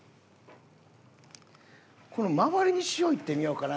この周りに塩いってみようかな？